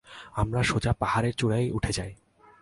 আমরা সোজা পাহাড়ের চূড়ায় উঠে যাই।